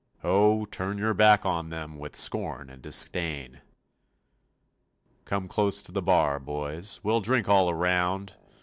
Oh, turn your back on them With scorn and disdain! Come close to the bar, boys, We'll drink all around.